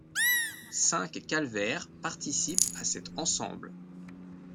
Cinq calvaires participent à cet ensemble.